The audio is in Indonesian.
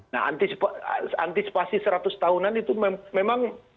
nah antisipasi seratus tahunan itu memang